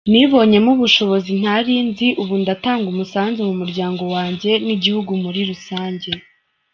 Nibonyemo ubushobozi ntari nzi, ubu ndatanga umusanzu mu muryango wanjye n’igihugu muri rusange”.